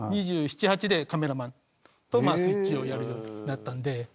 ２７２８でカメラマンとスイッチをやるようになったので。